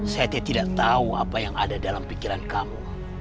saya tidak tahu apa yang ada dalam pikiran kamu